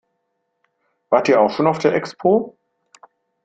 Wart ihr auch schon auf der Expo?